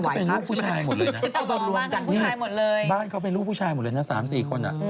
บ้านเขาเป็นลูกผู้ชายหมดเลยนะบ้านเขาเป็นลูกผู้ชายหมดเลยนะ๓๔คนอ่ะ